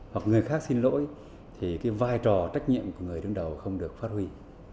hoặc người khác xin lỗi thì cái vai trò trách nhiệm của người đứng đầu không được phát huy